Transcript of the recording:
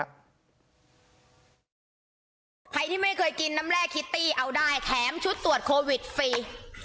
ใครที่ไม่เคยกินน้ำแร่คิตตี้เอาได้แถมชุดตรวจโควิดฟรี